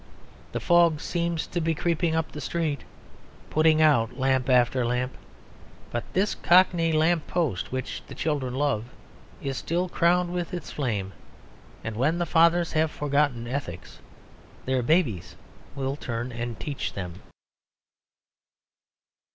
The fog seems to be creeping up the street; putting out lamp after lamp. But this cockney lamp post which the children love is still crowned with its flame; and when the fathers have forgotten ethics, their babies will turn and teach them.